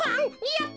やった！